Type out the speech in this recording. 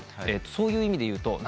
そういう意味でいうと。